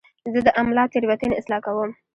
زه د املا تېروتنې اصلاح کوم.